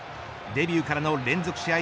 デビューからの連続試合